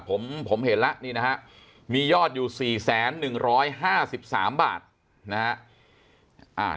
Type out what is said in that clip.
ผมเห็นแล้วนี่นะฮะมียอดอยู่๔๑๕๓บาทนะฮะ